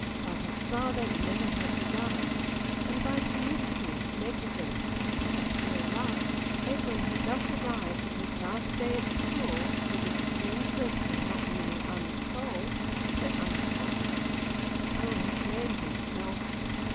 But his father never had begun; and by timidity, negligence, and perhaps ill luck, Edwin had thus arrived at his last day at school with the supreme question not merely unsolved but unattacked. Oh he blamed himself!